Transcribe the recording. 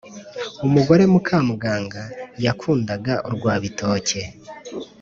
umugore mukamuganga yakundaga urwa bitoke.